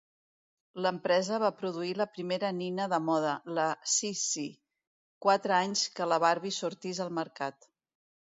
L'empresa va produir la primera nina de moda, la "Cissy", quatre anys que la Barbie sortís al mercat.